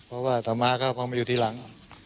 เพราะว่าต่อมาก็พอมาอยู่ทีหลัง